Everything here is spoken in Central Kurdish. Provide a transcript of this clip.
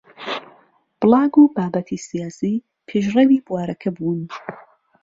بڵاگ و بابەتی سیاسی پێشڕەوی بوارەکە بوون